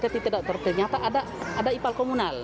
tapi tidak terdengar ternyata ada ipal komunal